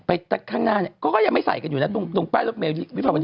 ไปข้างหน้าเนี้ยก็ก็ยังไม่ใส่กันอยู่น่ะตรงตรงแป๊บรูปเมลวิทยาลัยวิทยาลัยวิทยาลัยวิทยาลัย